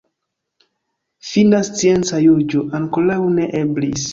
Fina scienca juĝo ankoraŭ ne eblis.